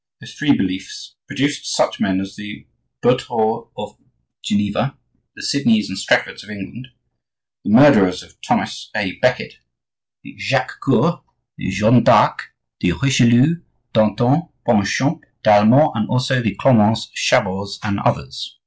Those three beliefs produced such men as the Berthereaus of Geneva, the Sydneys and Straffords of England, the murderers of Thomas a Becket, the Jacques Coeurs, the Jeanne d'Arcs, the Richelieus, Dantons, Bonchamps, Talmonts, and also the Clements, Chabots, and others.